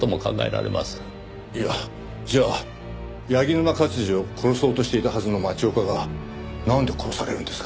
いやじゃあ柳沼勝治を殺そうとしていたはずの町岡がなんで殺されるんですか？